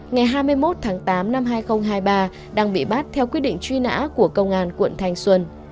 ngày hai mươi một tháng tám năm hai nghìn hai mươi ba đang bị bắt theo quyết định truy nã của công an quận thanh xuân